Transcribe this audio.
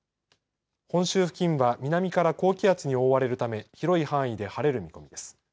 本州付近は南から高気圧に覆われるため広い範囲で晴れる見込みです。